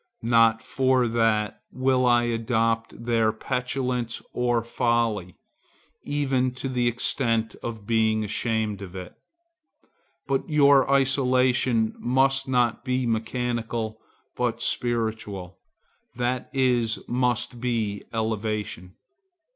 Not for that will I adopt their petulance or folly, even to the extent of being ashamed of it. But your isolation must not be mechanical, but spiritual, that is, must be elevation.